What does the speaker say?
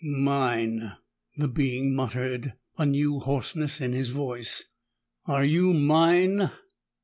"Mine!" the being muttered, a new hoarseness in his voice. "Are you mine?"